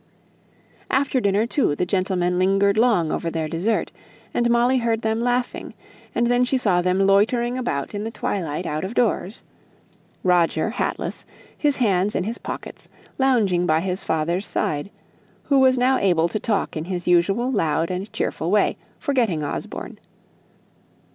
After dinner, too, the gentlemen lingered long over their dessert, and Molly heard them laughing; and then she saw them loitering about in the twilight out of doors; Roger hatless, his hands in his pockets, lounging by his father's side, who was now able to talk in his usual loud and cheerful way, forgetting Osborne.